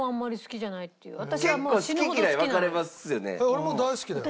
俺も大好きだよ。